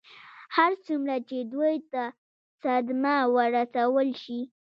هر څومره چې دوی ته صدمه ورسول شي.